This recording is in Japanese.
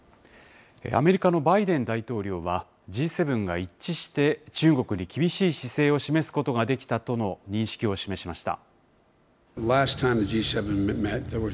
アメリカのバイデン大統領は、Ｇ７が一致して、中国に厳しい姿勢を示すことができたとの認識を示しました。